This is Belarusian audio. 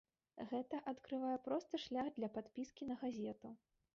Гэта адкрывае просты шлях для падпіскі на газету.